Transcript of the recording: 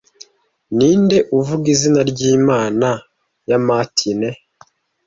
ninde uvuga izina ry'imana ya mâtine